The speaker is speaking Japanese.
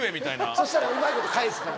「そしたらうまいこと返すから」